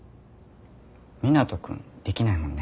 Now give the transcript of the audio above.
湊斗君できないもんね。